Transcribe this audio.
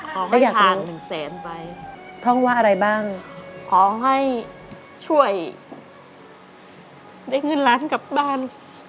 ขอให้ผ่าน๑เสนไปได้อยากรู้ขอให้ช่วยได้เงินล้านกลับบ้าน